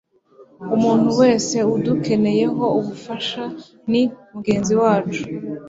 Buri muntu wese udukencyeho ubufasha ni mugenzi wacu.